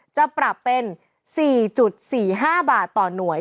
จะปรับเป็น๔๔๕บาทต่อหน่วย